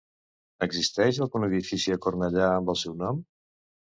Existeix algun edifici a Cornellà amb el seu nom?